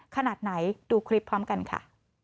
ขนาดไหนดูคลิปพร้อมกันค่ะ